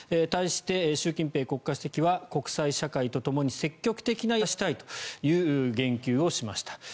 対して習近平国家主席は国際社会とともに積極的な役割を果たしたいという言及をしました。